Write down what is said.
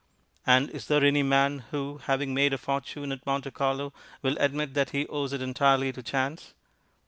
And is there any man who, having made a fortune at Monte Carlo, will admit that he owes it entirely to chance?